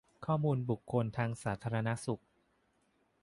ข้อมูลบุคลากรทางสาธารณสุข